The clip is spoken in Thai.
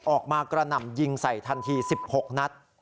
กระหน่ำยิงใส่ทันที๑๖นัด